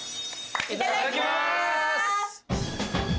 いただきます。